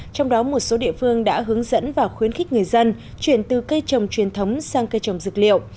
trong đó một số địa phương đã hướng dẫn và khuyến khích người dân chuyển từ cây trồng truyền thống sang cây trồng dược liệu